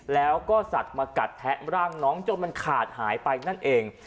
แล้วก็สัตว์มากัดแทะร่างน้องจนมันขาดหายไปนั่นเอง